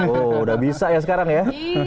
oh udah bisa ya sekarang ya